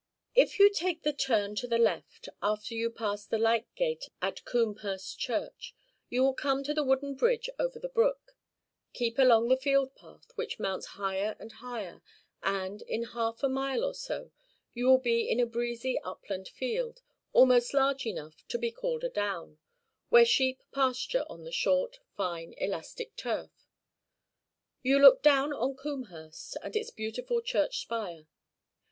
If you take the turn to the left, after you pass the lyke gate at Combehurst Church, you will come to the wooden bridge over the brook; keep along the field path which mounts higher and higher, and, in half a mile or so, you will be in a breezy upland field, almost large enough to be called a down, where sheep pasture on the short, fine, elastic turf. You look down on Combehurst and its beautiful church spire.